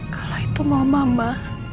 kalau itu mau mama